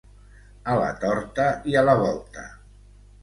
A la torta i a la volta.